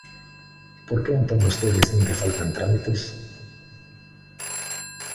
¿Por que entón vostedes din que faltan trámites?